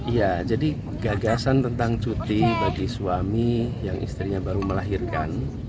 iya jadi gagasan tentang cuti bagi suami yang istrinya baru melahirkan